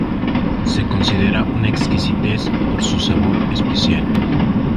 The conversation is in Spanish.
Se considera una exquisitez por su sabor especial.